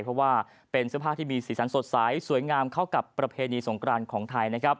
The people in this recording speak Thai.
เพราะว่าเป็นเสื้อผ้าที่มีสีสันสดใสสวยงามเข้ากับประเพณีสงกรานของไทยนะครับ